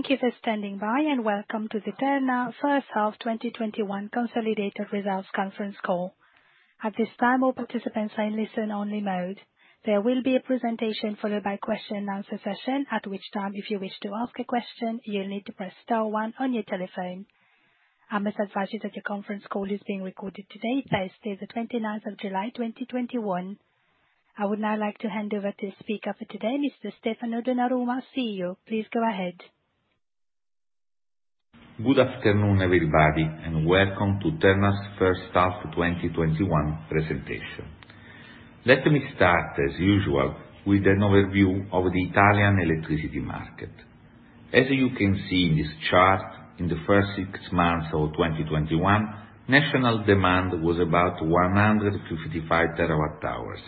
Thank you for standing by, and welcome to the Terna first half 2021 consolidated results conference call. At this time, all participants are in listen only mode. There will be a presentation followed by question and answer session, at which time, if you wish to ask a question, you'll need to press star one on your telephone. I must advise you that your conference call is being recorded today, Thursday, the 29th of July 2021. I would now like to hand over to speaker for today, Mr. Stefano Donnarumma, CEO. Please go ahead. Good afternoon, everybody, and welcome to Terna's first half 2021 presentation. Let me start, as usual, with an overview of the Italian electricity market. As you can see in this chart, in the first six months of 2021, national demand was about 155 terawatt hours,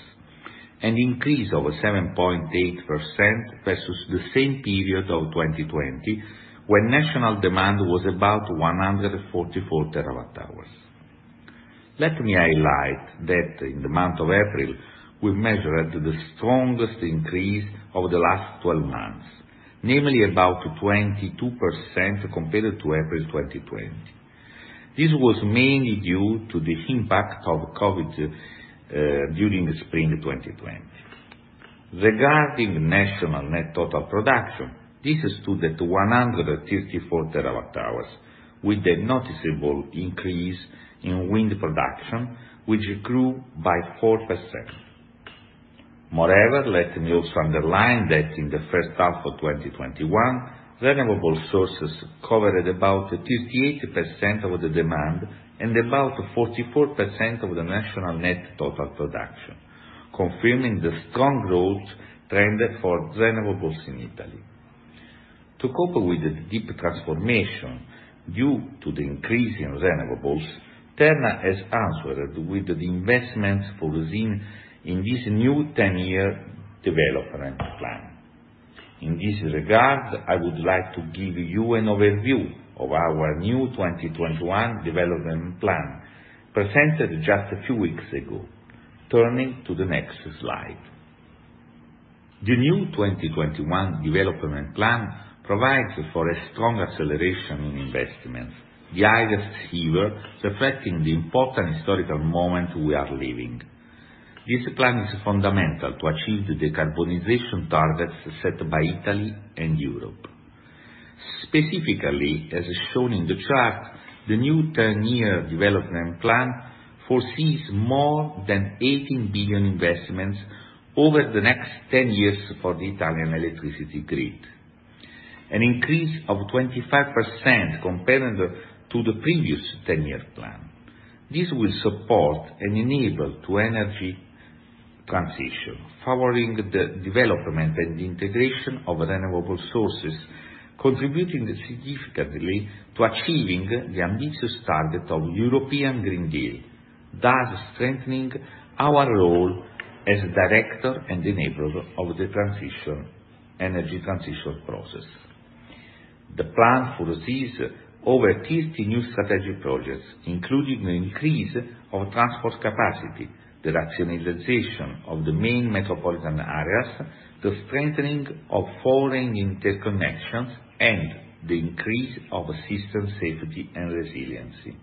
an increase of 7.8% versus the same period of 2020, when national demand was about 144 terawatt hours. Let me highlight that in the month of April, we measured the strongest increase over the last 12 months, namely about 22% compared to April 2020. This was mainly due to the impact of COVID-19 during spring 2020. Regarding national net total production, this is stood at 134 terawatt hours, with a noticeable increase in wind production, which grew by 4%. Let me also underline that in the first half of 2021, renewable sources covered about 58% of the demand and about 44% of the national net total production, confirming the strong growth trend for renewables in Italy. To cope with the deep transformation due to the increase in renewables, Terna has answered with the investments foreseen in this new 10-year development plan. In this regard, I would like to give you an overview of our new 2021 development plan, presented just a few weeks ago. Turning to the next slide. The new 2021 development plan provides for a strong acceleration in investments, the highest ever, reflecting the important historical moment we are living. This plan is fundamental to achieve the decarbonization targets set by Italy and Europe. Specifically, as shown in the chart, the new 10-year development plan foresees more than 18 billion investments over the next 10 years for the Italian electricity grid, an increase of 25% compared to the previous 10-year plan. This will support and enable energy transition, powering the development and integration of renewable sources, contributing significantly to achieving the ambitious target of European Green Deal, thus strengthening our role as director and enabler of the energy transition process. The plan foresees over 30 new strategic projects, including an increase of transport capacity, the rationalization of the main metropolitan areas, the strengthening of foreign interconnections, and the increase of system safety and resiliency.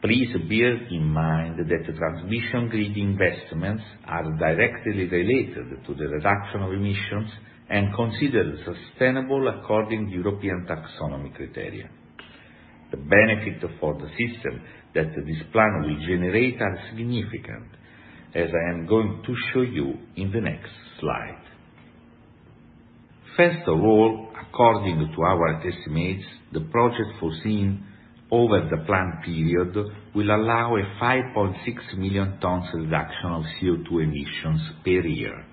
Please bear in mind that transmission grid investments are directly related to the reduction of emissions and considered sustainable according to European Taxonomy criteria. The benefit for the system that this plan will generate are significant, as I am going to show you in the next slide. First of all, according to our estimates, the project foreseen over the planned period will allow a 5.6 million tons reduction of CO2 emissions per year.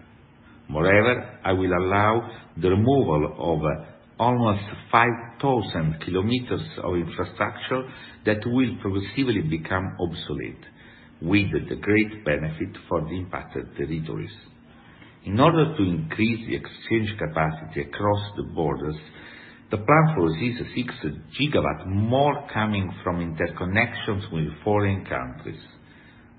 Moreover, it will allow the removal of almost 5,000km of infrastructure that will progressively become obsolete, with the great benefit for the impacted territories. In order to increase the exchange capacity across the borders, the plan foresees 6 gigawatts more coming from interconnections with foreign countries,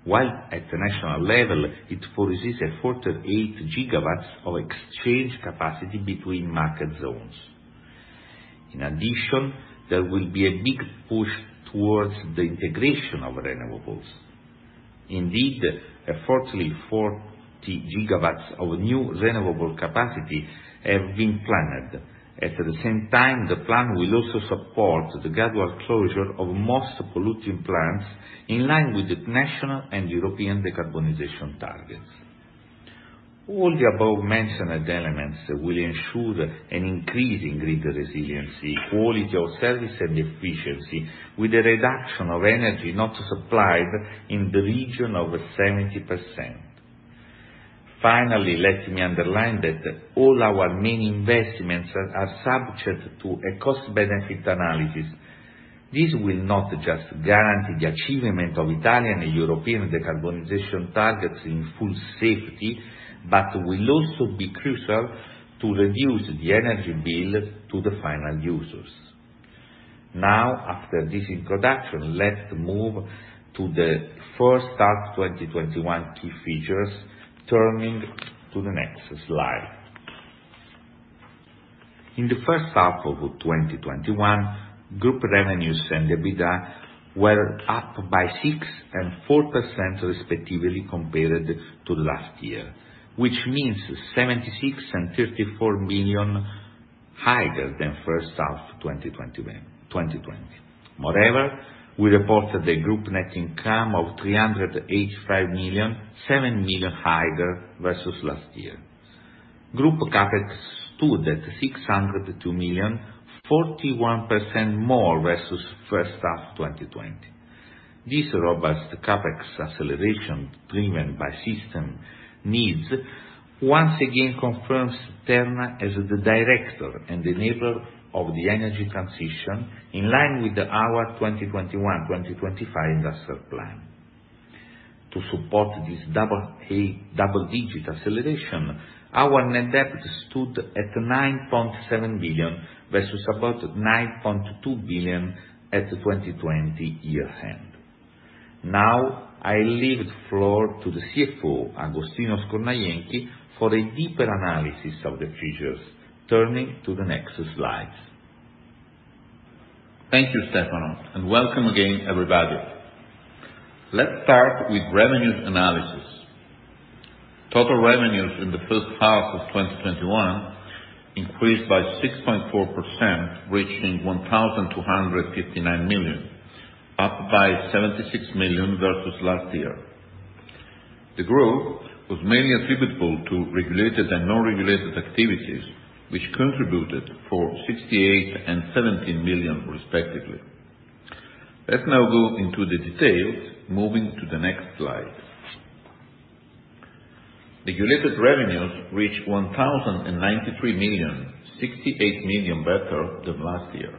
while at the national level, it foresees a 48 gigawatts of exchange capacity between market zones. In addition, there will be a big push towards the integration of renewables. Indeed, 440 gigawatts of new renewable capacity have been planned. At the same time, the plan will also support the gradual closure of most polluting plants in line with the national and European decarbonization targets. All the above mentioned elements will ensure an increase in grid resiliency, quality of service, and efficiency, with a reduction of energy not supplied in the region of 70%. Finally, let me underline that all our main investments are subject to a cost-benefit analysis. This will not just guarantee the achievement of Italian and European decarbonization targets in full safety, but will also be crucial to reduce the energy bill to the final users. Now, after this introduction, let's move to the first half of 2021 key features, turning to the next slide. In the first half of 2021, group revenues and EBITDA were up by 6% and 4% respectively compared to last year, which means 76 million and 34 million higher than first half 2020. We reported a group net income of 385 million, 7 million higher versus last year. Group CapEx stood at 602 million, 41% more versus first half 2020. This robust CapEx acceleration, driven by system needs, once again confirms Terna as the director and enabler of the energy transition, in line with our 2021/2025 industrial plan. To support this double-digit acceleration, our net debt stood at 9.7 billion versus about 9.2 billion at the 2020 year end. Now, I leave the floor to the CFO, Agostino Scornajenchi, for a deeper analysis of the features, turning to the next slides. Thank you, Stefano, and welcome again, everybody. Let's start with revenues analysis. Total revenues in the first half of 2021 increased by 6.4%, reaching 1,259 million, up by 76 million versus last year. The growth was mainly attributable to regulated and non-regulated activities, which contributed for 68 million and 17 million respectively. Let's now go into the details, moving to the next slide. Regulated revenues reached 1,093 million, 68 million better than last year.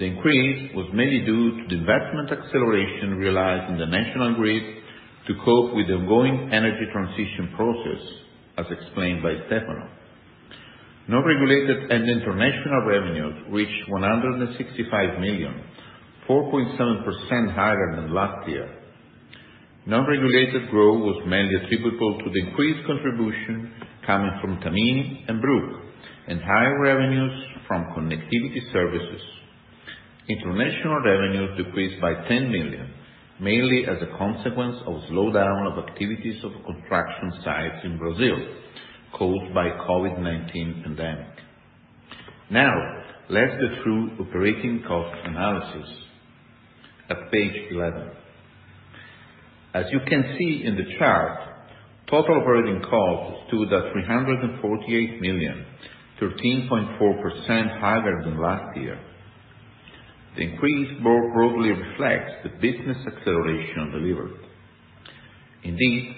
The increase was mainly due to the investment acceleration realized in the national grid to cope with the ongoing energy transition process, as explained by Stefano. Non-regulated and international revenues reached 165 million, 4.7% higher than last year. Non-regulated growth was mainly attributable to the increased contribution coming from Tamini and Brugg, and higher revenues from connectivity services. International revenues decreased by 10 million, mainly as a consequence of slowdown of activities of construction sites in Brazil caused by COVID-19 pandemic. Now, let's go through operating cost analysis at page 11. As you can see in the chart, total operating costs stood at 348 million, 13.4% higher than last year. The increase broadly reflects the business acceleration delivered. Indeed,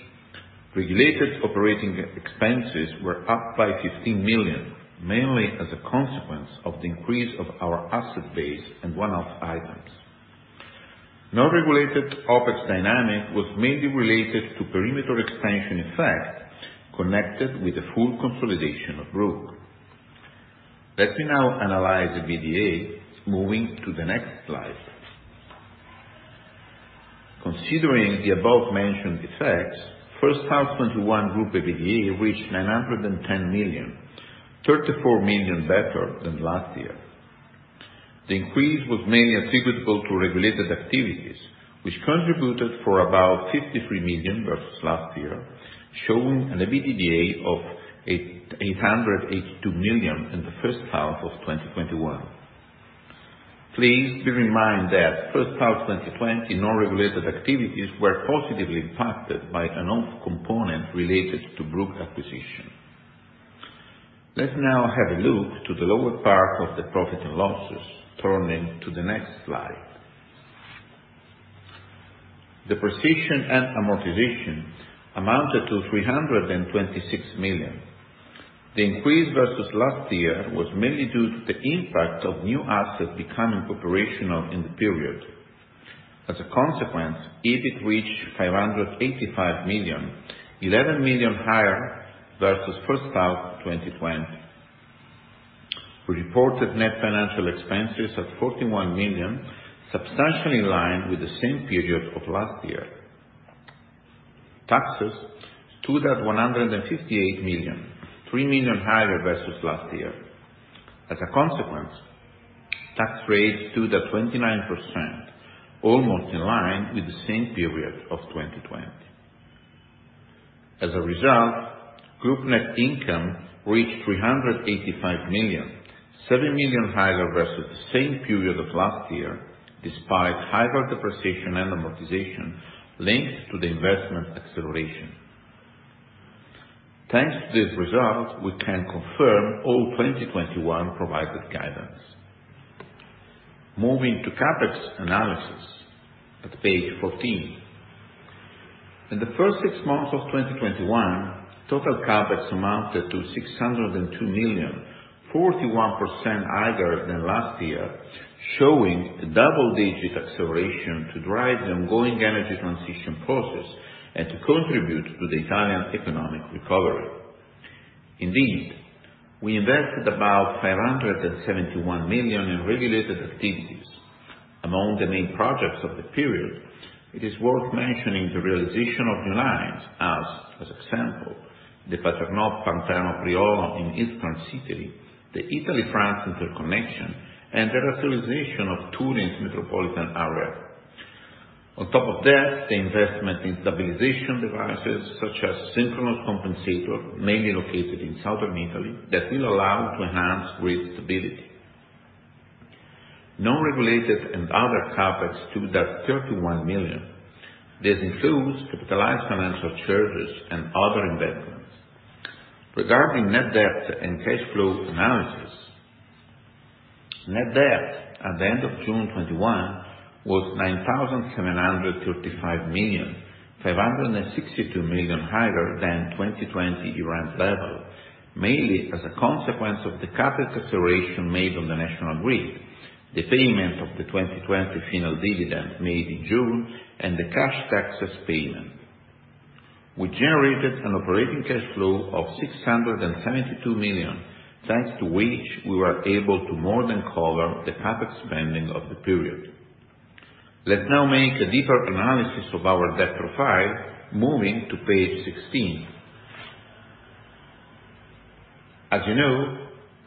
regulated operating expenses were up by 15 million, mainly as a consequence of the increase of our asset base and one-off items. Non-regulated OpEx dynamic was mainly related to perimeter expansion effects connected with the full consolidation of Brugg. Let me now analyze the EBITDA, moving to the next slide. Considering the above-mentioned effects, first half 2021 group EBITDA reached 910 million, 34 million better than last year. The increase was mainly attributable to regulated activities, which contributed for about 53 million versus last year, showing an EBITDA of 882 million in the first half of 2021. Please be reminded that first half 2020, non-regulated activities were positively impacted by a one-off component related to Brugg acquisition. Let's now have a look to the lower part of the profit and losses, turning to the next slide. Depreciation and amortization amounted to 326 million. The increase versus last year was mainly due to the impact of new assets becoming operational in the period. As a consequence, EBIT reached 585 million, 11 million higher versus first half 2020. We reported net financial expenses at 41 million, substantially in line with the same period of last year. Taxes stood at 158 million, 3 million higher versus last year. As a consequence, tax rates stood at 29%, almost in line with the same period of 2020. As a result, group net income reached 385 million, 7 million higher versus the same period of last year, despite higher depreciation and amortization linked to the investment acceleration. Thanks to this result, we can confirm all 2021 provided guidance. Moving to CapEx analysis at page 14. In the first six months of 2021, total CapEx amounted to 602 million, 41% higher than last year, showing a double-digit acceleration to drive the ongoing energy transition process and to contribute to the Italian economic recovery. Indeed, we invested about 571 million in regulated activities. Among the main projects of the period, it is worth mentioning the realization of new lines as, for example, the Paternò-Pantano-Priolo in eastern Sicily, the Italy-France interconnection, and the rationalization of Turin's metropolitan area. On top of that, the investment in stabilization devices such as synchronous compensator, mainly located in southern Italy, that will allow to enhance grid stability. Non-regulated and other CapEx stood at 31 million. This includes capitalized financial charges and other investments. Regarding net debt and cash flow analysis, net debt at the end of June 2021 was 9,735 million, 562 million higher than 2020 year-end level, mainly as a consequence of the CapEx acceleration made on the national grid, the payment of the 2020 final dividend made in June, and the cash taxes payment. We generated an operating cash flow of 672 million, thanks to which we were able to more than cover the CapEx spending of the period. Let's now make a deeper analysis of our debt profile, moving to page 16. As you know,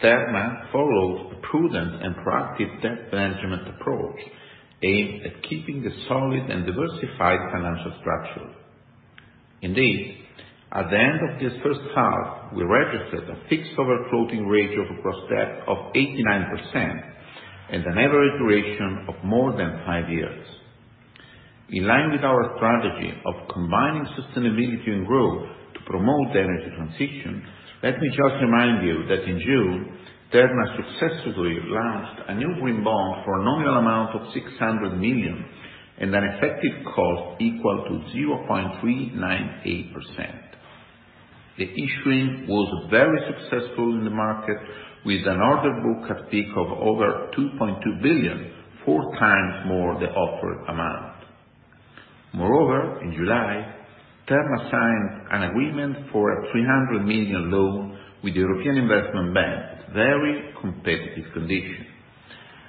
Terna follows a prudent and proactive debt management approach, aimed at keeping a solid and diversified financial structure. Indeed, at the end of this first half, we registered a fixed over floating ratio of gross debt of 89% and an average duration of more than five years. In line with our strategy of combining sustainability and growth to promote the energy transition, let me just remind you that in June, Terna successfully launched a new green bond for a nominal amount of 600 million and an effective cost equal to 0.398%. The issuing was very successful in the market, with an order book at peak of over 2.2 billion, four times more the offered amount. Moreover, in July, Terna signed an agreement for a 300 million loan with the European Investment Bank at very competitive conditions.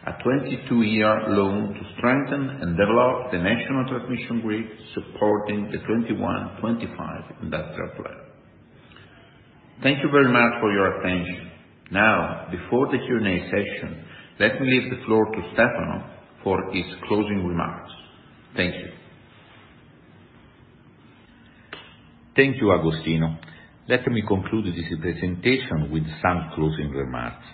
A 22-year loan to strengthen and develop the national transmission grid, supporting the 2021-2025 Industrial Plan. Thank you very much for your attention. Before the Q&A session, let me leave the floor to Stefano for his closing remarks. Thank you. Thank you, Agostino. Let me conclude this presentation with some closing remarks.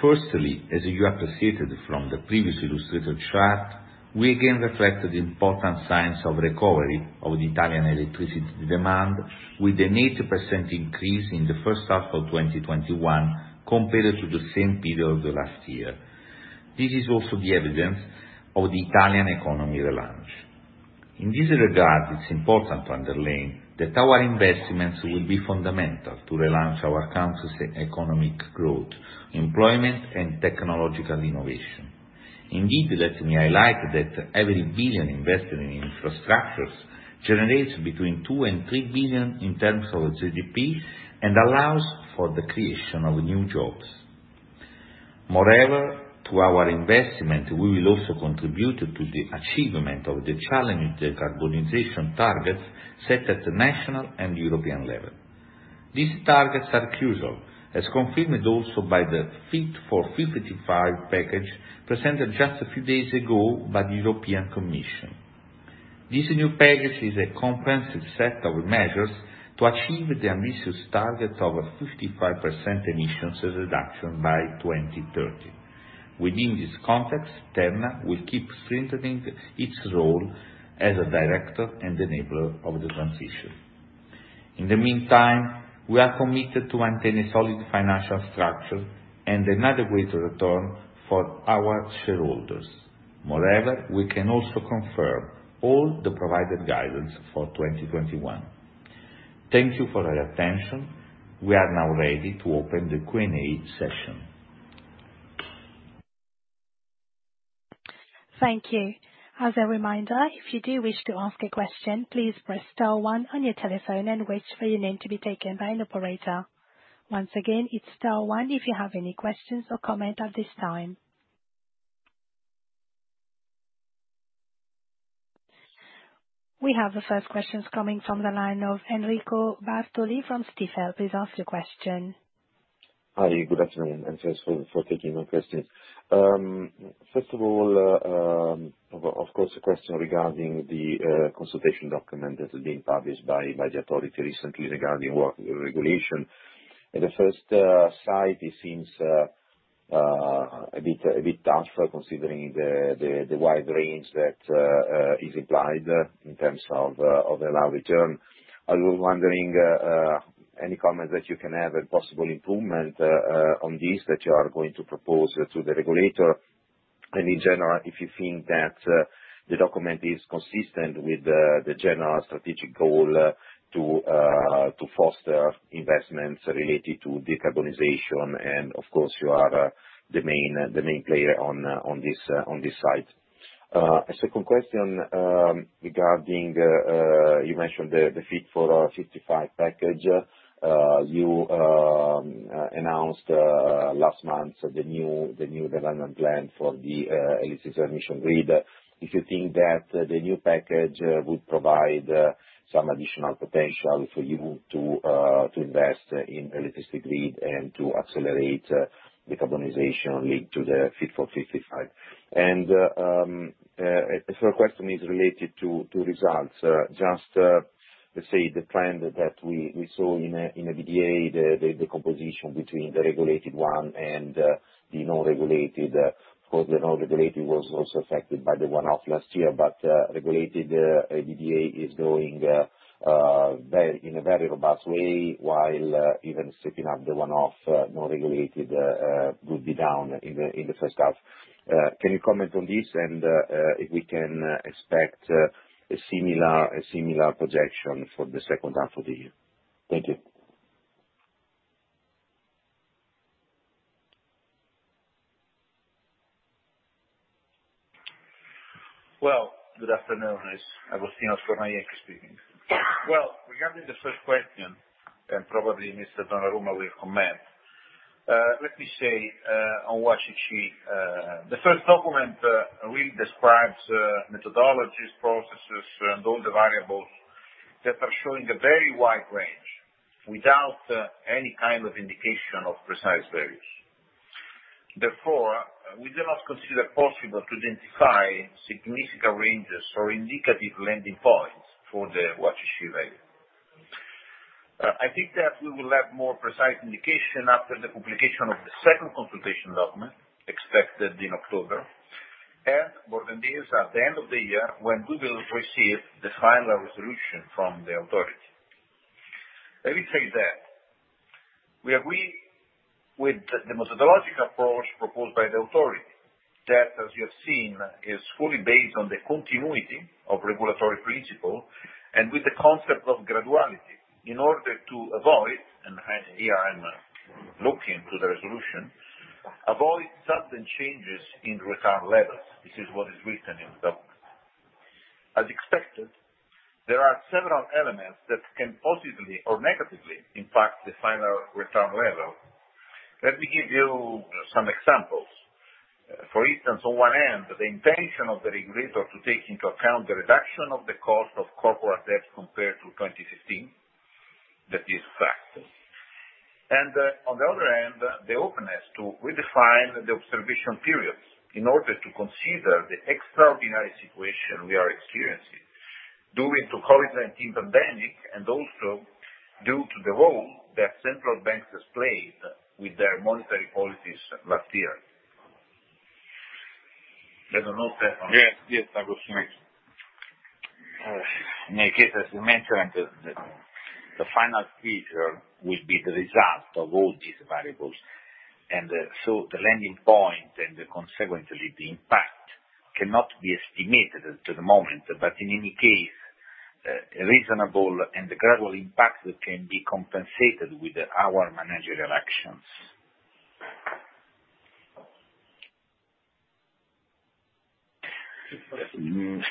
Firstly, as you appreciated from the previous illustrated chart, we again reflected important signs of recovery of the Italian electricity demand with an 8% increase in the first half of 2021 compared to the same period of last year. This is also the evidence of the Italian economy relaunch. In this regard, it's important to underline that our investments will be fundamental to relaunch our country's economic growth, employment, and technological innovation. Indeed, let me highlight that every billion invested in infrastructures generates between 2 billion and 3 billion in terms of GDP and allows for the creation of new jobs. Moreover, to our investment, we will also contribute to the achievement of the challenging decarbonization targets set at the national and European level. These targets are crucial, as confirmed also by the Fit for 55 package presented just a few days ago by the European Commission. This new package is a comprehensive set of measures to achieve the ambitious target of a 55% emissions reduction by 2030. Within this context, Terna will keep strengthening its role as a director and enabler of the transition. In the meantime, we are committed to maintain a solid financial structure and an adequate return for our shareholders. Moreover, we can also confirm all the provided guidance for 2021. Thank you for your attention. We are now ready to open the Q&A session. Thank you. As a reminder, if you do wish to ask a question, please press star one on your telephone and wait for your name to be taken by an operator. Once again, it's star one if you have any questions or comments at this time. We have the first questions coming from the line of Enrico Bartoli from Stifel. Please ask your question. Hi, good afternoon. Thanks for taking my question. First of all, of course, a question regarding the consultation document that has been published by the Authority recently regarding grid regulation. At first sight, it seems a bit harsh for considering the wide range that is applied in terms of allowed return. I was wondering, any comment that you can add, a possible improvement on this that you are going to propose to the Regulator? In general, if you think that the document is consistent with the general strategic goal to foster investments related to decarbonization, and of course, you are the main player on this side. A second question regarding, you mentioned the Fit for 55 package. You announced last month the new development plan for the electricity grid. If you think that the new package would provide some additional potential for you to invest in electricity grid and to accelerate decarbonization linked to the Fit for 55 package. A third question is related to results. Just, let's say the trend that we saw in the EBITDA, the composition between the regulated one and the non-regulated. Of course, the non-regulated was also affected by the one-off last year, but regulated EBITDA is going in a very robust way while even setting up the one-off, non-regulated will be down in the first half. Can you comment on this and if we can expect a similar projection for the second half of the year? Thank you. Good afternoon. It's Agostino Scornajenchi speaking. Regarding the first question, and probably Mr. Donnarumma will comment, let me say on WACC, the first document really describes methodologies, processes, and all the variables that are showing a very wide range without any kind of indication of precise values. We do not consider possible to identify significant ranges or indicative landing points for the WACC value. I think that we will have more precise indication after the publication of the second consultation document expected in October, at the end of the year when we will receive the final resolution from the authority. Let me say that we agree with the methodological approach proposed by the authority, that, as you have seen, is fully based on the continuity of regulatory principle and with the concept of graduality in order to avoid, and here I'm looking to the resolution, avoid sudden changes in return levels. This is what is written in the document. As expected, there are several elements that can positively or negatively impact the final return level. Let me give you some examples. For instance, on one end, the intention of the regulator to take into account the reduction of the cost of corporate debt compared to 2015. That is a factor. On the other hand, the openness to redefine the observation periods in order to consider the extraordinary situation we are experiencing due to COVID-19 pandemic, and also due to the role that central banks has played with their monetary policies last year. I don't know if Stefano. Yes, Agostino. In any case, as you mentioned, the final feature will be the result of all these variables, and so the landing points, and consequently, the impact cannot be estimated at the moment, but in any case, a reasonable and gradual impact can be compensated with our managerial actions.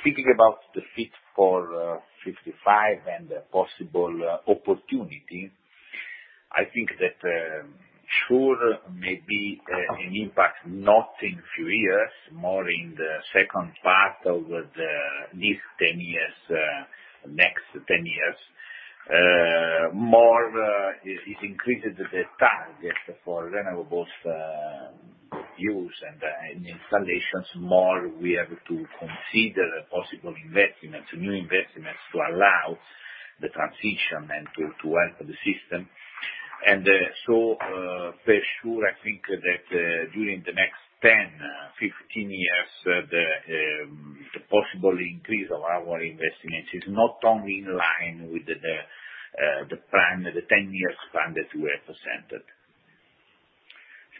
Speaking about the Fit for 55 package and the possible opportunity, I think that sure may be an impact, not in few years, more in the second part of this 10 years, next 10 years. More is increased the target for renewable use and installations, more we have to consider possible investments, new investments to allow the transition and to help the system. For sure, I think that during the next 10, 15 years, the possible increase of our investments is not only in line with the 10 years plan that we have presented.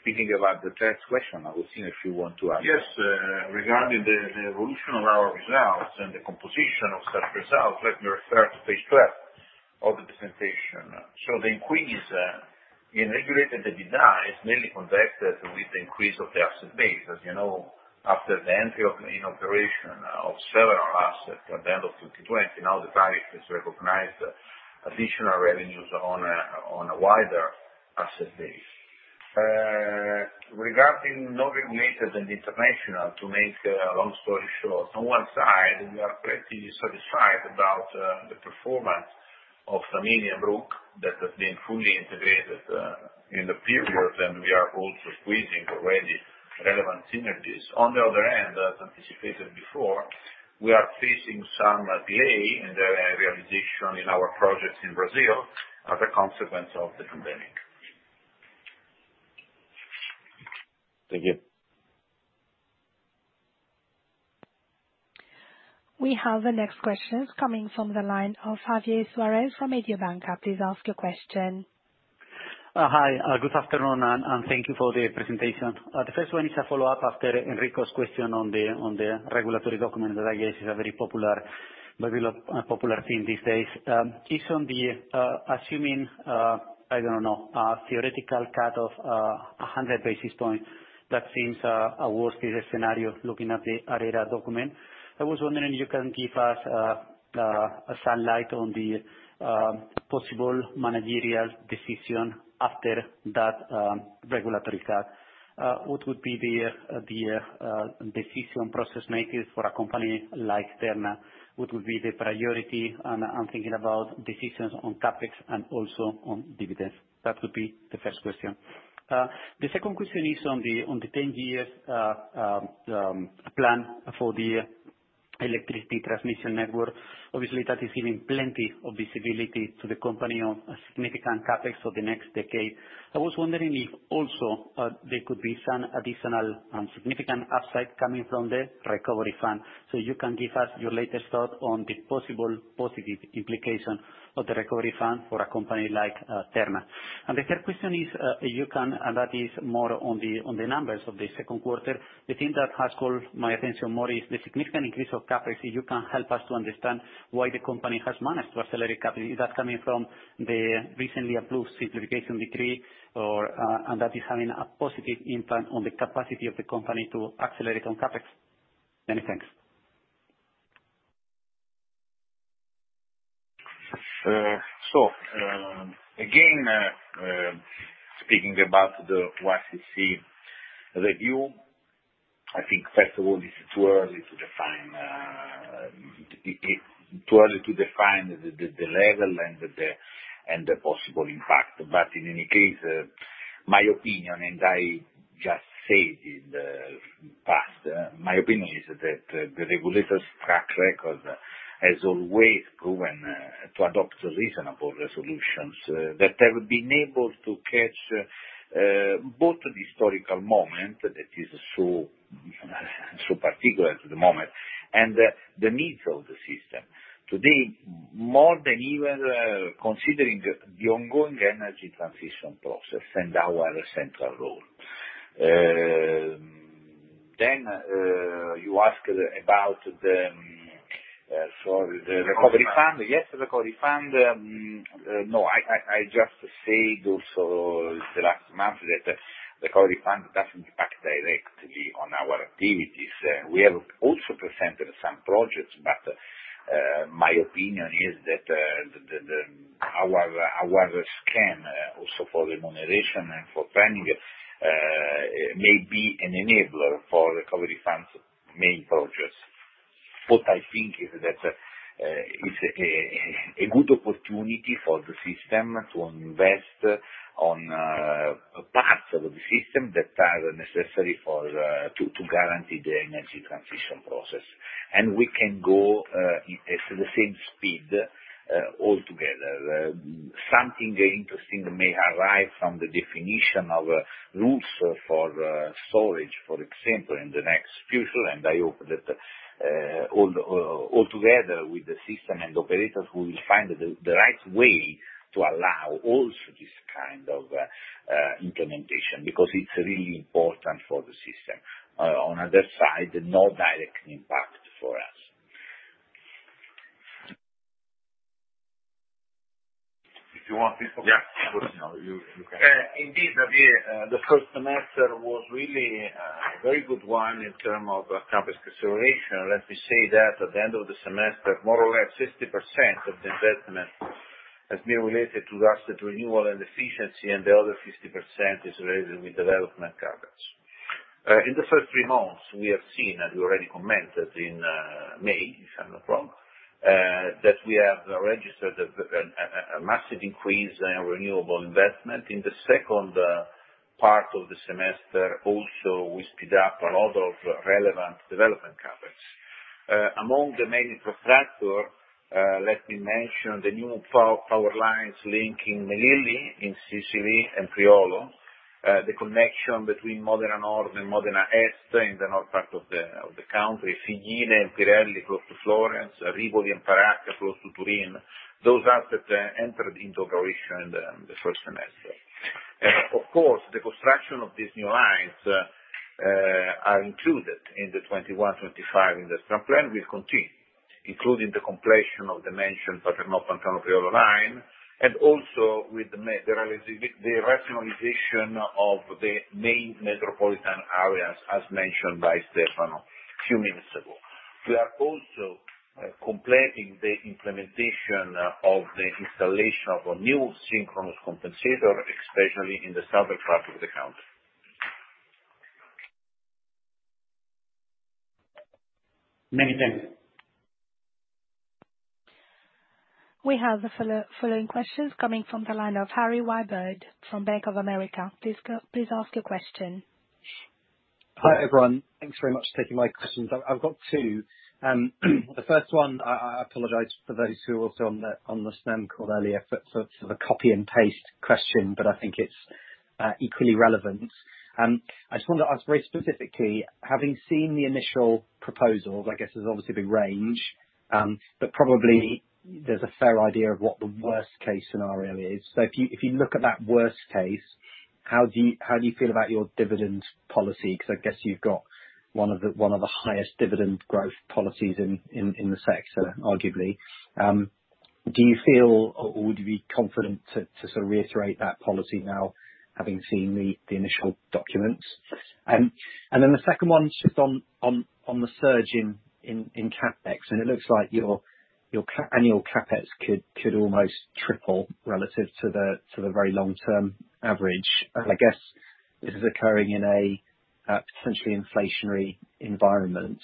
Speaking about the third question, Agostino, if you want to add. Yes, regarding the evolution of our results and the composition of such results, let me refer to page 12 of the presentation. The increase in regulated EBITDA is mainly connected with the increase of the asset base. As you know, after the entry in operation of several assets at the end of 2020, now the tariff has recognized additional revenues on a wider asset base. Regarding non-regulated and international, to make a long story short, on one side, we are pretty satisfied about the performance of Brugg that has been fully integrated in the period, and we are also squeezing already relevant synergies. On the other hand, as anticipated before, we are facing some delay in the realization in our projects in Brazil as a consequence of the pandemic. Thank you. We have the next questions coming from the line of Javier Suarez from Mediobanca. Please ask your question. Hi. Good afternoon, thank you for the presentation. The first one is a follow-up after Enrico's question on the regulatory document that I guess is a very popular theme these days. Based on the assuming, I don't know, theoretical cut of 100 basis points, that seems a worst case scenario looking at the ARERA document. I was wondering if you can give us some light on the possible managerial decision after that regulatory cut. What would be the decision process makers for a company like Terna? What would be the priority? I'm thinking about decisions on CapEx and also on dividends. That would be the first question. The second question is on the 10 years plan for the electricity transmission network. Obviously, that is giving plenty of visibility to the company on a significant CapEx for the next decade. I was wondering if also there could be some additional and significant upside coming from the Recovery Fund. You can give us your latest thought on the possible positive implication of the Recovery Fund for a company like Terna. The third question is, if you can, that is more on the numbers of the second quarter, the thing that has caught my attention more is the significant increase of CapEx. If you can help us to understand why the company has managed to accelerate CapEx. Is that coming from the recently approved Simplification Decree, that is having a positive impact on the capacity of the company to accelerate on CapEx? Many thanks. Again, speaking about the WACC review, I think, first of all, it's too early to define the level and the possible impact. In any case, my opinion, and I just said in the past, my opinion is that the regulator's track record has always proven to adopt reasonable resolutions, that have been able to catch both the historical moment that is so particular to the moment, and the needs of the system. Today, more than ever, considering the ongoing energy transition process and our central role. You ask about the recovery fund. Yes, the recovery fund. No, I just said also this last month that the recovery fund doesn't impact directly on our activities. We have also presented some projects, but my opinion is that our scan also for remuneration and for planning, may be an enabler for recovery fund's main projects. What I think is that it is a good opportunity for the system to invest on parts of the system that are necessary to guarantee the energy transition process. We can go at the same speed altogether. Something interesting may arrive from the definition of rules for storage, for example, in the next future, and I hope that altogether with the system and operators, we will find the right way to allow also this kind of implementation, because it is really important for the system. On other side, no direct impact for us. If you want this one. Yeah. Of course, now you can. Indeed, the first semester was really a very good one in term of CapEx consideration. Let me say that at the end of the semester, more or less 60% of the investment has been related to asset renewal and efficiency, and the other 50% is related with development CapEx. In the first three months, we have seen, as you already commented in May, if I'm not wrong, that we have registered a massive increase in renewable investment. In the second part of the semester also, we speed up a lot of relevant development CapEx. Among the main constructions, let me mention the new power lines linking Melilli in Sicily and Priolo. The connection between Modena North and Modena Est in the north part of the country. Figline and Firenze close to Florence, Rivoli and Paracca, close to Turin. Those assets entered into operation in the first semester. Of course, the construction of these new lines are included in the 2021-2025 industrial plan will continue, including the completion of the mentioned Paternò-Pantano-Priolo line, and also with the rationalization of the main metropolitan areas, as mentioned by Stefano a few minutes ago. We are also completing the implementation of the installation of a new synchronous compensator, especially in the southern part of the country. Many thanks. We have the following questions coming from the line of Harry Wyburd from Bank of America. Please ask your question. Hi, everyone. Thanks very much for taking my questions. I've got two questions. The first one, I apologize for those who were also on the Snam call earlier for the copy and paste question, but I think it's equally relevant. I just wanted to ask very specifically, having seen the initial proposals, I guess there's obviously been range, but probably there's a fair idea of what the worst case scenario is. If you look at that worst case, how do you feel about your dividend policy? I guess you've got one of the highest dividend growth policies in the sector, arguably. Do you feel, or would you be confident to sort of reiterate that policy now, having seen the initial documents? The second one, just on the surge in CapEx, and it looks like your annual CapEx could almost triple relative to the very long term average. I guess this is occurring in a potentially inflationary environment.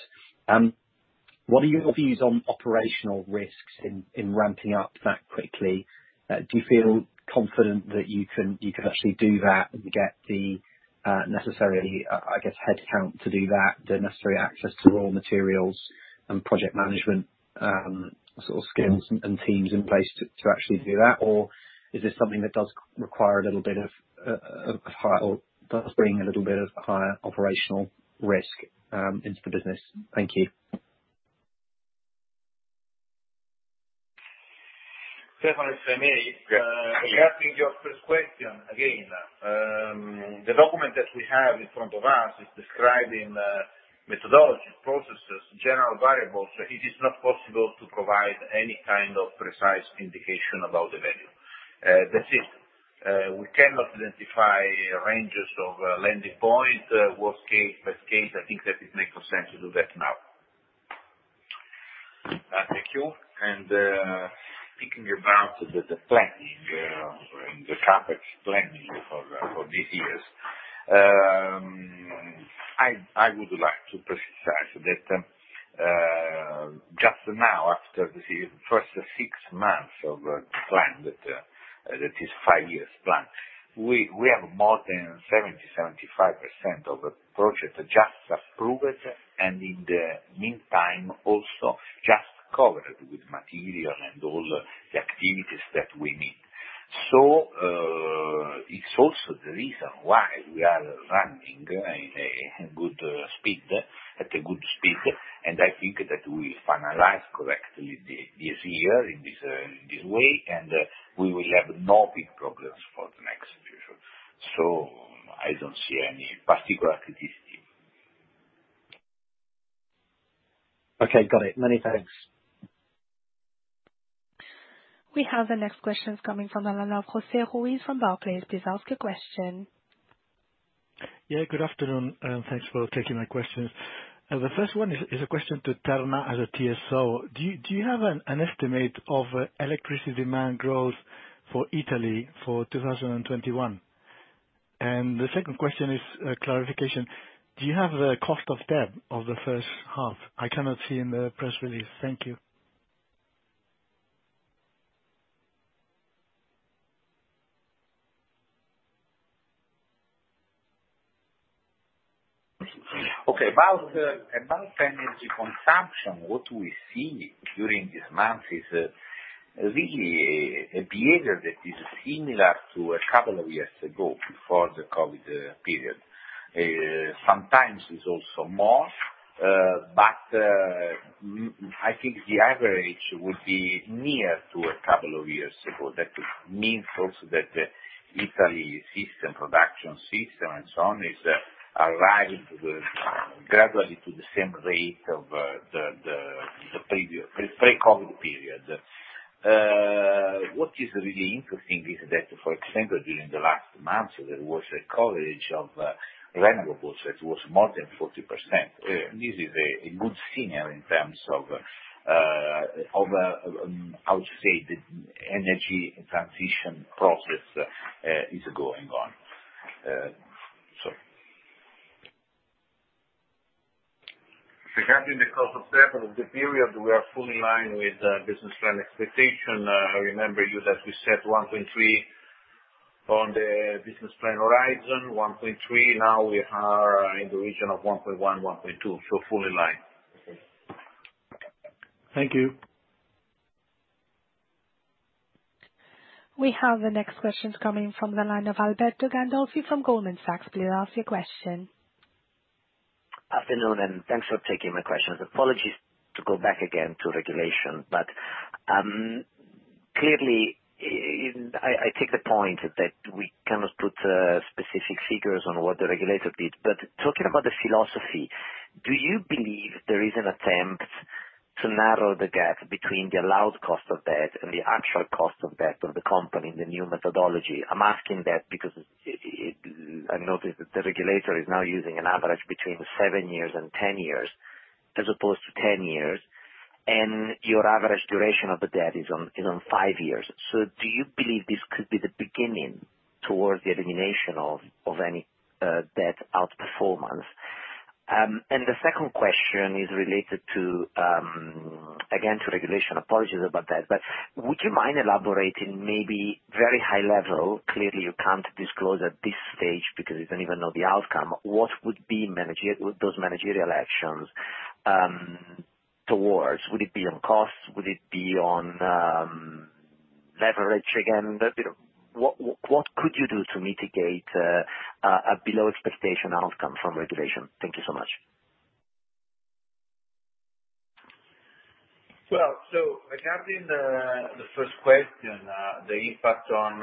What are your views on operational risks in ramping up that quickly? Do you feel confident that you can actually do that and get the necessary, I guess, headcount to do that, the necessary access to raw materials and project management sort of skills and teams in place to actually do that? Is this something that does require a little bit of, or does bring a little bit of higher operational risk into the business? Thank you. Definitely from me. Yeah. Regarding your first question, again, the document that we have in front of us is describing methodology, processes, general variables. It is not possible to provide any kind of precise indication about the value. That is, we cannot identify ranges of landing point, worst case, best case. I think that it makes no sense to do that now. Thank you. Thinking about the planning, the CapEx planning for these years, I would like to precise that just now, after the first six months of the plan, that is five years plan, we have more than 70%-75% of the project just approved and in the meantime, also just covered with material and all the activities that we need. It's also the reason why we are running at a good speed, and I think that we finalize correctly this year in this way, and we will have no big problems for the next future. I don't see any particular activity. Okay, got it. Many thanks. We have the next questions coming from the line of Jose Ruiz from Barclays. Please ask your question. Yeah, good afternoon, and thanks for taking my questions. The first one is a question to Terna as a TSO. Do you have an estimate of electricity demand growth for Italy for 2021? The second question is a clarification. Do you have the cost of debt of the first half? I cannot see in the press release. Thank you. Okay. About energy consumption, what we see during these months is really a behavior that is similar to two years ago, before the COVID period. Sometimes it's also more, but I think the average would be near to two years ago. That would mean also that Italy system, production system and so on, is arriving gradually to the same rate of the pre-COVID period. What is really interesting is that, for example, during the last months, there was a coverage of renewables that was more than 40%. This is a good signal in terms of how, say, the energy transition process is going on. Regarding the cost of debt of the period, we are fully in line with the business plan expectation. I remember you that we set 1.3% on the business plan horizon. Now we are in the region of 1.1%, 1.2%, so fully in line. Thank you. We have the next questions coming from the line of Alberto Gandolfi from Goldman Sachs. Please ask your question. Afternoon. Thanks for taking my questions. Apologies to go back again to regulation. Clearly, I take the point that we cannot put specific figures on what the regulator did. Talking about the philosophy, do you believe there is an attempt to narrow the gap between the allowed cost of debt and the actual cost of debt of the company in the new methodology? I'm asking that because I notice that the regulator is now using an average between seven years and 10 years as opposed to 10 years. Your average duration of the debt is on five years. Do you believe this could be the beginning towards the elimination of any debt outperformance? The second question is related, again, to regulation. Apologies about that, would you mind elaborating, maybe very high level, clearly you can't disclose at this stage because you don't even know the outcome. What would be those managerial actions towards? Would it be on costs? Would it be on leverage again? What could you do to mitigate a below-expectation outcome from regulation? Thank you so much. Well, regarding the first question, the impact on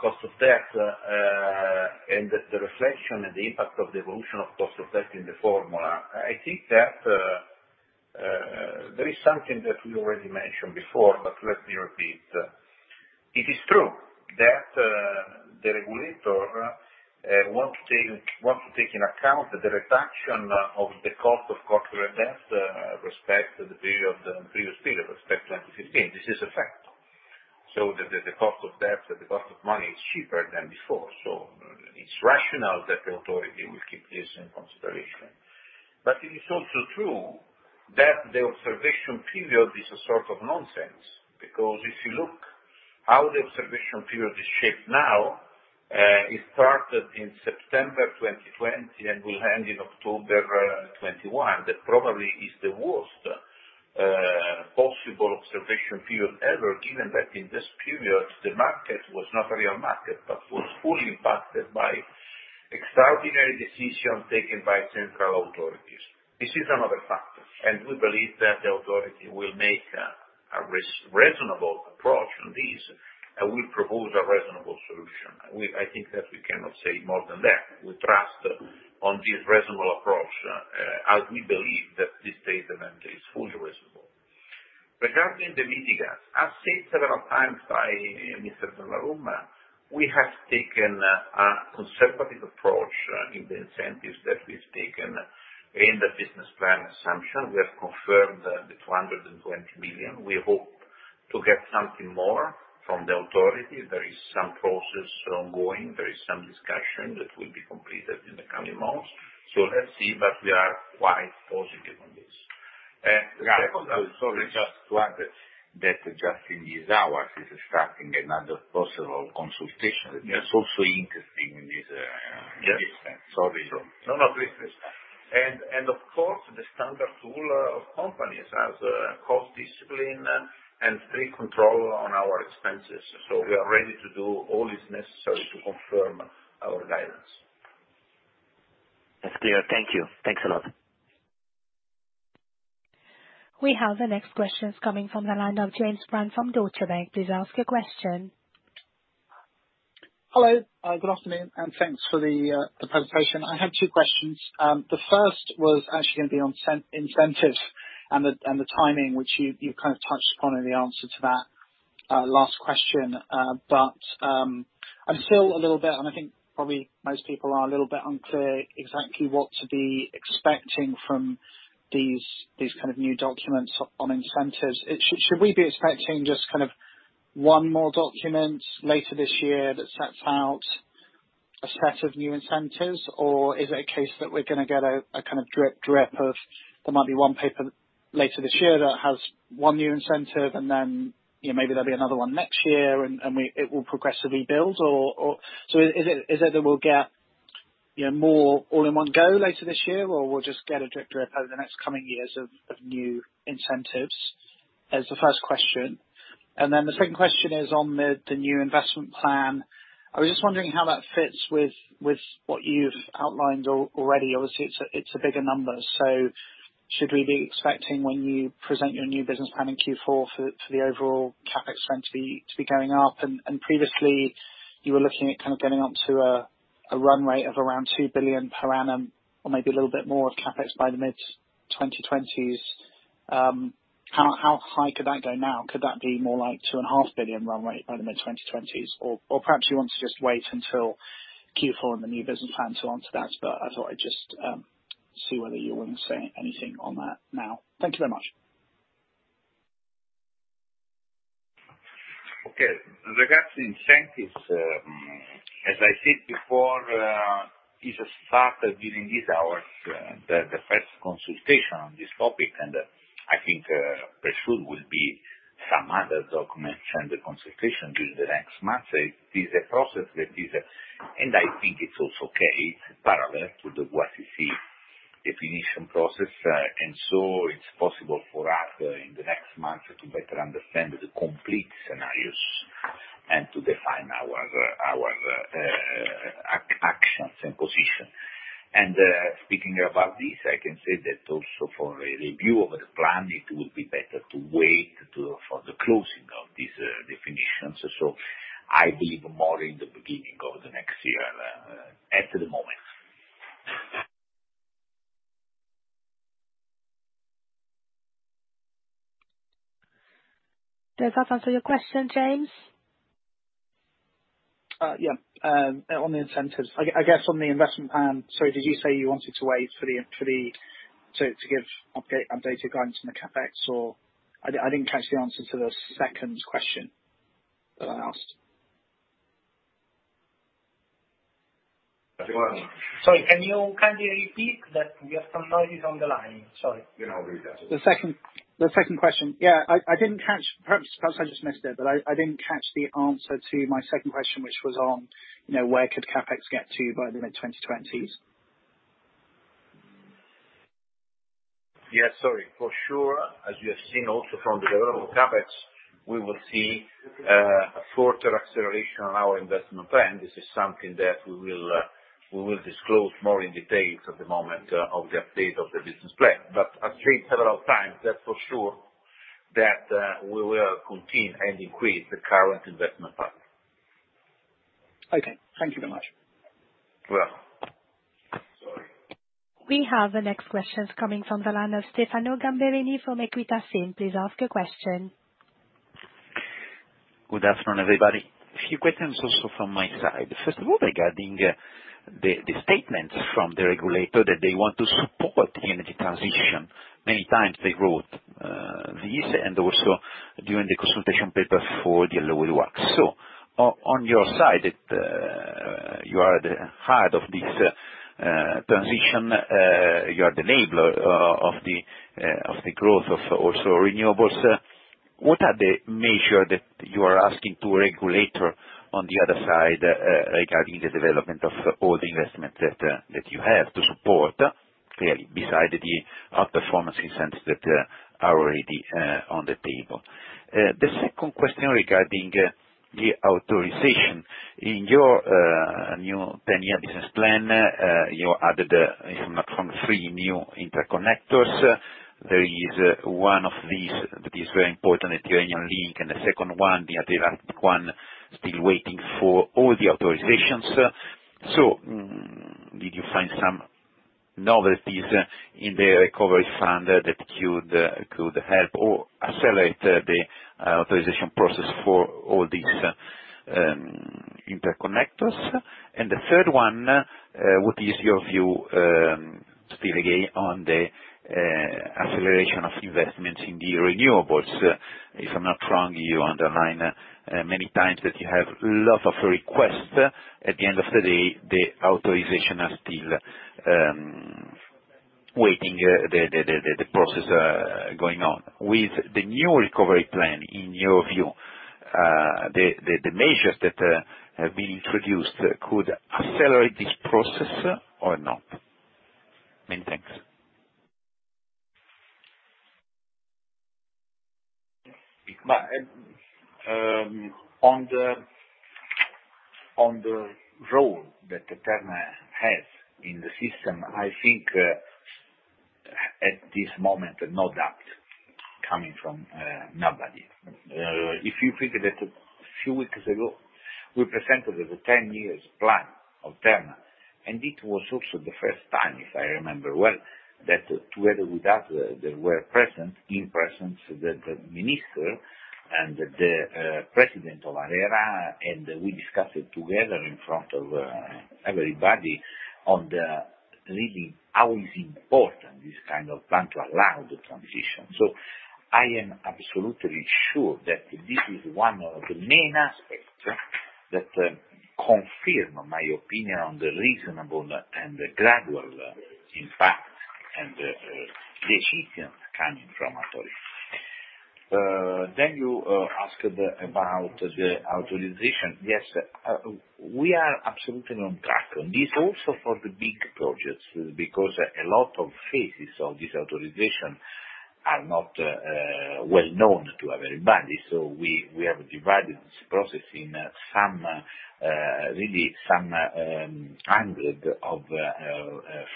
cost of debt, and the reflection and the impact of the evolution of cost of debt in the formula. I think that there is something that we already mentioned before, but let me repeat. It is true that the regulator want to take into account the reduction of the cost of corporate debt, respect the period of the previous period, respect 2015. This is a fact. The cost of debt, the cost of money is cheaper than before, so it's rational that the authority will keep this in consideration. It is also true that the observation period is a sort of nonsense, because if you look how the observation period is shaped now, it started in September 2020 and will end in October 2021. That probably is the worst possible observation period ever, given that in this period, the market was not a real market but was fully impacted by extraordinary decisions taken by central authorities. This is another factor, and we believe that the authority will make a reasonable approach on this, and will propose a reasonable solution. I think that we cannot say more than that. We trust on this reasonable approach, as we believe that this data then is fully reasonable. Regarding the mitigants, as said several times by Mr. Donnarumma, we have taken a conservative approach in the incentives that we've taken in the business plan assumption. We have confirmed the 220 million. We hope to get something more from the authority. There is some process ongoing. There is some discussion that will be completed in the coming months. Let's see, but we are quite positive on this. Sorry, just to add that just in these hours is starting another possible consultation that is also interesting in this respect. Sorry. No, please. Of course, the standard tool of companies as a cost discipline and strict control on our expenses. We are ready to do all is necessary to confirm our guidance. That's clear. Thank you. Thanks a lot. We have the next questions coming from the line of James Brand from Deutsche Bank. Please ask your question. Hello. Good afternoon, and thanks for the presentation. I had two questions. The first was actually going to be on incentives and the timing, which you kind of touched upon in the answer to that last question. I'm still a little bit, and I think probably most people are a little bit unclear exactly what to be expecting from these kind of new documents on incentives. Should we be expecting just one more document later this year that sets out a set of new incentives? Or is it a case that we're going to get a drip of, there might be one paper later this year that has one new incentive, and then maybe there'll be another one next year, and it will progressively build? Is it either we'll get more all in one go later this year, or we'll just get a drip over the next coming years of new incentives? That's the first question. The second question is on the new investment plan. I was just wondering how that fits with what you've outlined already. Obviously, it's a bigger number. Should we be expecting when you present your new business plan in Q4 for the overall CapEx spend to be going up? Previously you were looking at getting up to a runway of around 2 billion per annum or maybe a little bit more of CapEx by the mid-2020s. How high could that go now? Could that be more like 2.5 billion runway by the mid-2020s? Perhaps you want to just wait until Q4 and the new business plan to answer that, but I thought I'd just see whether you want to say anything on that now. Thank you very much. Okay. Regarding incentives, as I said before, it started during these hours, the first consultation on this topic. I think pretty soon will be some other document and the consultation during the next months. It is a process. I think it's also okay. It's parallel to the WACC definition process. It's possible for us in the next month to better understand the complete scenarios and to define our actions and position. Speaking about this, I can say that also for a review of the plan, it will be better to wait for the closing of these definitions. I believe more in the beginning of the next year at the moment. Does that answer your question, James? Yeah. On the incentives, I guess on the investment plan, sorry, did you say you wanted to wait to give updated guidance on the CapEx? I didn't catch the answer to the second question that I asked. Sorry, can you kindly repeat? That we have some noise on the line. Sorry. Yeah, I'll repeat that. The second question. Yeah, perhaps I just missed it, but I didn't catch the answer to my second question, which was on where could CapEx get to by the mid-2020s? Yes, sorry. For sure, as you have seen also from the development CapEx, we will see a further acceleration on our investment plan. This is something that we will disclose more in details at the moment of the update of the business plan. I've said several times, that's for sure, that we will continue and increase the current investment plan. Okay. Thank you very much. Well. Sorry. We have the next questions coming from the line of Stefano Gamberini from Equita. Please ask a question. Good afternoon, everybody. A few questions also from my side. First of all, regarding the statements from the regulator that they want to support the energy transition. Many times they wrote this, and also during the consultation paper for the allowed WACC. On your side, you are at the heart of this transition, you are the enabler of the growth of also renewables. What are the measures that you are asking to regulator on the other side, regarding the development of all the investments that you have to support, clearly beside the outperformance incentives that are already on the table? The second question regarding the authorization. In your new 10-year business plan, you added, if I'm not wrong, three new interconnectors. There is one of these that is very important, the Tyrrhenian Link, and the second one, the other one, still waiting for all the authorizations. Did you find some novelties in the Recovery Fund that could help or accelerate the authorization process for all these interconnectors? The third one, what is your view, still again, on the acceleration of investments in the renewables? If I'm not wrong, you underline many times that you have lot of requests. At the end of the day, the authorization are still waiting, the process going on. With the new Recovery Plan, in your view, the measures that have been introduced could accelerate this process or not? Many thanks. On the role that Terna has in the system, I think, at this moment, no doubt coming from nobody. If you think that a few weeks ago, we presented the 10-year plan of Terna, and it was also the first time, if I remember well, that together with that, there were present, in presence, the minister and the president of ARERA, and we discussed it together in front of everybody on the really how is important this kind of plan to allow the transition. I am absolutely sure that this is one of the main aspects that confirm my opinion on the reasonable and the gradual impact, and the decision coming from authority. You asked about the authorization. Yes, we are absolutely on track on this, also for the big projects, because a lot of phases of this authorization are not well known to everybody. We have divided this process in really some 100 of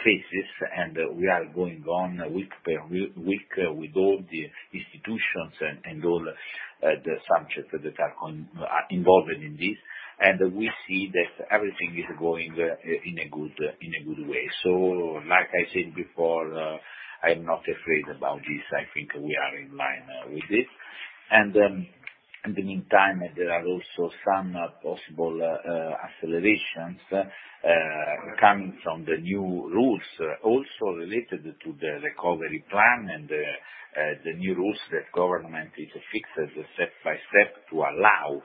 phases, and we are going on week per week with all the institutions and all the subjects that are involved in this. We see that everything is going in a good way. Like I said before, I'm not afraid about this. I think we are in line with it. In the meantime, there are also some possible accelerations coming from the new rules, also related to the recovery plan and the new rules that government is fixed step by step to allow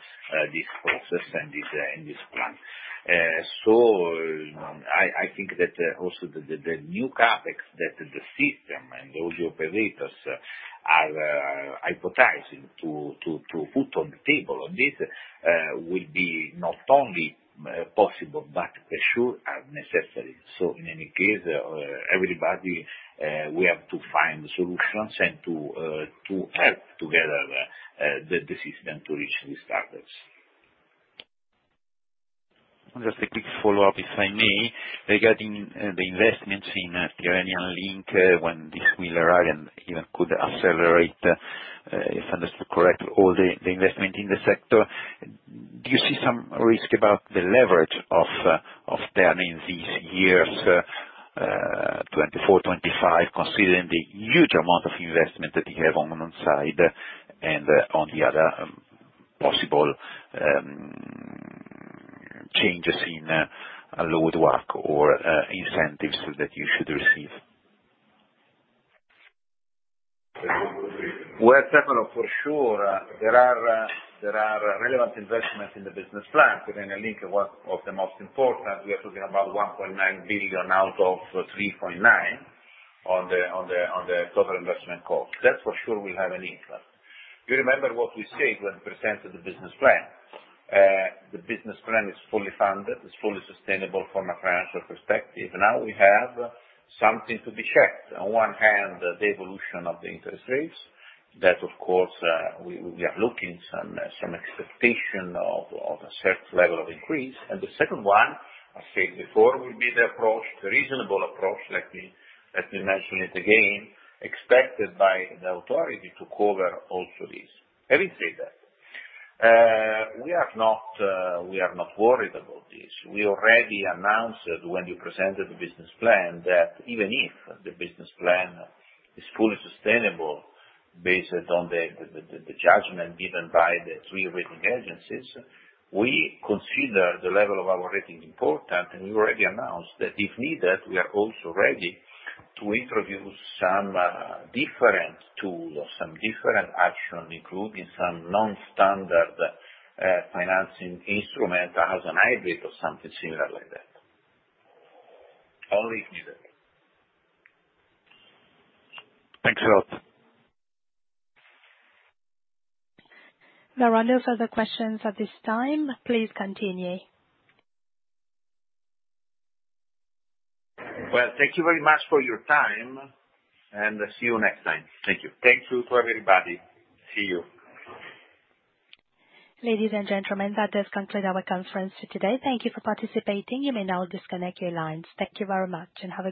this process and this plan. I think that also the new CapEx that the system and those operators are hypothesizing to put on the table on this, will be not only possible, but for sure are necessary. In any case, everybody, we have to find solutions and to help together the system to reach these targets. Just a quick follow-up, if I may. Regarding the investments in Tyrrhenian Link, when this will arrive, and even could accelerate, if understood correct, all the investment in the sector. Do you see some risk about the leverage of Terna in these years, 2024, 2025, considering the huge amount of investment that you have on one side, and on the other, possible changes in grid regulation or incentives that you should receive? Well, Stefano, for sure, there are relevant investments in the business plan. Tyrrhenian Link, one of the most important. We are talking about 1.9 billion out of 3.9 billion on the total investment cost. That for sure will have an impact. You remember what we said when presented the business plan. The business plan is fully funded, it's fully sustainable from a financial perspective. Now we have something to be checked. On one hand, the evolution of the interest rates. That, of course, we are looking some expectation of a certain level of increase. The second one, I said before, will be the approach, the reasonable approach, let me mention it again, expected by the authority to cover also this. Having said that, we are not worried about this. We already announced when you presented the business plan that even if the business plan is fully sustainable based on the judgment given by the three rating agencies, we consider the level of our rating important, and we already announced that if needed, we are also ready to introduce some different tool or some different action, including some non-standard financing instrument as a hybrid or something similar like that. Only if needed. Thanks a lot. There are no further questions at this time. Please continue. Thank you very much for your time, and see you next time. Thank you. Thank you to everybody. See you. Ladies and gentlemen, that does conclude our conference today. Thank you for participating. You may now disconnect your lines. Thank you very much, and have a great day.